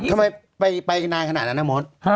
ทำไมไปนานขนาดนั้นนะมด